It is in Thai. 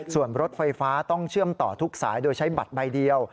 ส่วนรถไฟฟ้าต้องเชื่อมต่อทุกสายโดยใช้บัตรใบเดียว